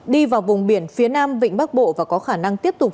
đi vào vùng biển phía nam vịnh bắc bộ và có khả năng tiếp tục